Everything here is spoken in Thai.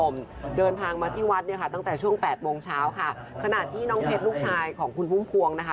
โมงเช้าค่ะขนาดที่น้องเพชรลูกชายของคุณปุ้มพวงนะคะ